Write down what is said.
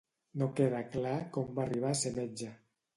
No queda clar com va arribar a ser metge.